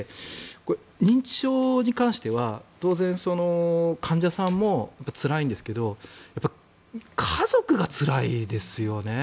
認知症に関しては当然、患者さんもつらいんですがやっぱり家族がつらいですよね。